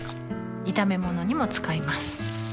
炒め物にも使います